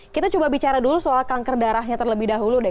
kita coba bicara dulu soal kanker darahnya terlebih dahulu deh